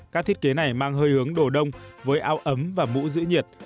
các thiết kế này mang hơi hướng đồ đông với ao ấm và mũ giữ nhiệt